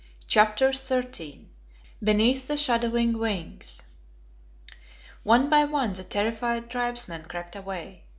CHAPTER XIII BENEATH THE SHADOWING WINGS One by one the terrified tribesmen crept away.